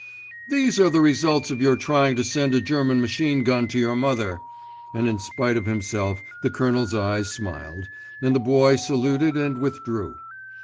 "These are the results of your trying to send a German machine gun to your mother," and in spite of himself the Colonel's eyes smiled, and the Boy saluted and withdrew.